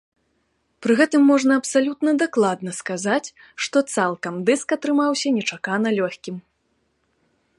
Пры гэтым можна абсалютна дакладна сказаць, што цалкам дыск атрымаўся нечакана лёгкім.